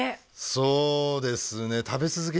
そうですね